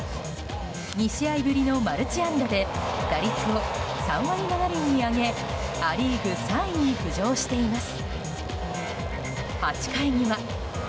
２試合ぶりのマルチ安打で打率を３割７厘に上げア・リーグ３位に浮上しています。